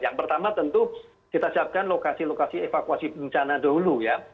yang pertama tentu kita siapkan lokasi lokasi evakuasi bencana dahulu ya